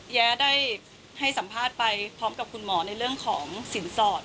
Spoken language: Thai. แย้ได้ให้สัมภาษณ์ไปพร้อมกับคุณหมอในเรื่องของสินสอด